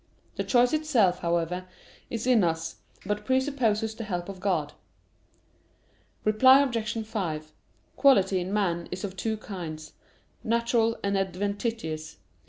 The choice itself, however, is in us, but presupposes the help of God. Reply Obj. 5: Quality in man is of two kinds: natural and adventitious.